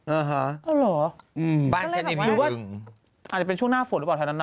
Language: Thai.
บ้านฉันนี้มีบึงหรือว่าอาจจะเป็นช่วงหน้าฝนหรือเปล่าธนัดนำบ้างบ่อย